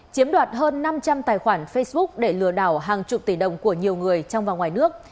chiếm đoạt hơn năm trăm linh tài khoản facebook để lừa đảo hàng chục tỷ đồng của nhiều người trong và ngoài nước